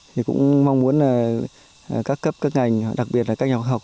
thì cũng mong muốn các cấp các ngành đặc biệt là các nhà khoa học